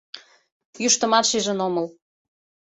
Йӱштымат шижын омыл.